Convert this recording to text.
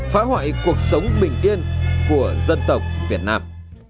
phá hoại cuộc sống bình yên của dân tộc việt nam